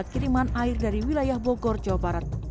kiriman air dari wilayah bogor jawa barat